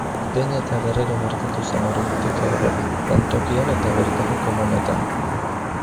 Behin eta berriro gertatu zen ordutik aurrera, lantokian eta bertako komunetan.